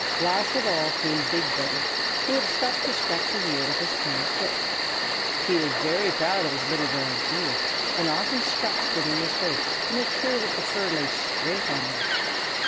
Last of all came Big Brother, who had stopped to scratch his ear with his hind foot. He was very proud of his little round ears, and often scratched them in this way to make sure that the fur lay straight on them.